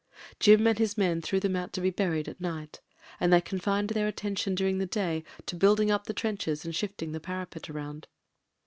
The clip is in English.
Jim and his men threw them out to be buried at night, and they confined their attention during the day to building up the trenches land shifting the parapet round.